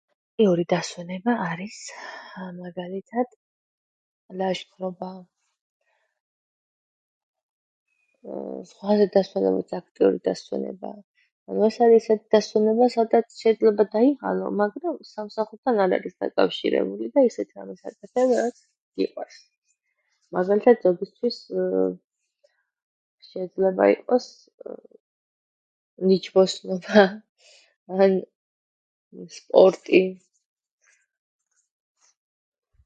აქტიური დასვენება არის მაგალითად ლაშქრობა, ზღვაზე დასვენებაც აქტიური დასვენებაა, მაგრამ ეს არის ისეთი დასვენება, სადაც შეიძლება დაიღალო, მაგრამ სამსახურთან არ არის დაკავშირებული და ისეთ რამეს აკეთებ, რაც გიყვარს. მაგალითად ზოგისთვის შეიძლება იყოს ნიჩბოსნობა, ან სპორტი.